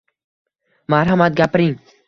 Marhamat, gapiring.